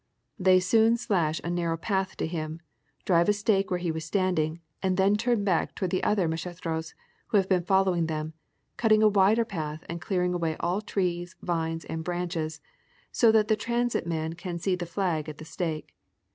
They soon slash a nar row path to him, drive a stake where he was standing and then turn ,back toward the other tnach'eteros, who have been following them, cutting a wider path and clearing away all trees, vines and branches, so that the transit man can see the flag at the stake.